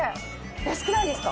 安くないですか？